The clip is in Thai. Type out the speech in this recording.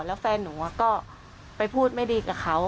แล้วแฟนหนูก็ไปพูดไม่ดีกับเขา